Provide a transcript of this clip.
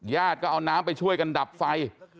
ก็เอาน้ำไปช่วยกันดับไฟ